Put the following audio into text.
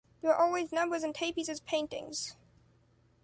There are always numbers in Tapies’s paintings.